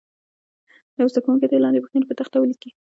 یو زده کوونکی دې لاندې پوښتنې پر تخته ولیکي.